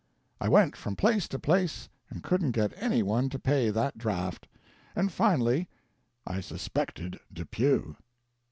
I went from place to place, and couldn't get any one to pay that draft, and finally I suspected Depew."